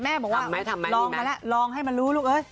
แม่บอกว่าลองมาแล้วลองให้มันรู้ลูกเอ้ย